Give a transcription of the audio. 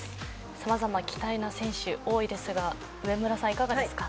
様々期待の選手多いですが上村さんいかがですか？